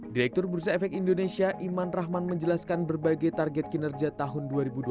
direktur bursa efek indonesia iman rahman menjelaskan berbagai target kinerja tahun dua ribu dua puluh